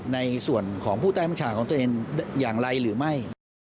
ในส่วนของผู้ใต้บัญชาของตัวเองอย่างไรหรือไม่